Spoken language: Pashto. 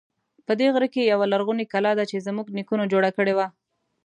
په دې غره کې یوه لرغونی کلا ده چې زمونږ نیکونو جوړه کړی و